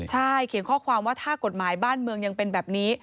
ใช่เขียนข้อความว่าถ้ากฎหมายบ้านเมืองยังเป็นแบบนี้